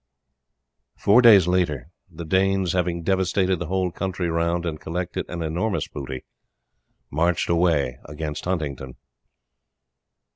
Four days later, the Danes, having devastated the whole country round and collected an enormous booty, marched away against Huntingdon.